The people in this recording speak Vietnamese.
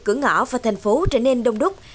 cửa ngõ và thành phố trở nên đông đúc